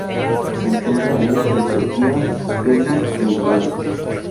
Se encuentra en Etiopía, Kenia, y en Uganda.